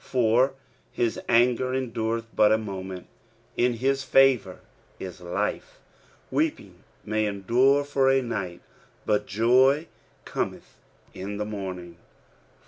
5 For his anger endarcth but a moment ; in his favour is life : weeping may endure for a night, but joy cometh in the morning.